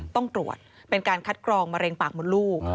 ต้องตรวจเป็นการคัดกรองมะเร็งปากมดลูก